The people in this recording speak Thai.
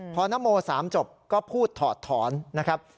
พอนโม๓จบก็พูดถอดถอนนะครับ